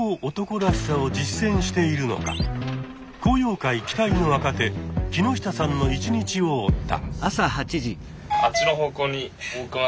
昂揚会期待の若手木下さんの一日を追った。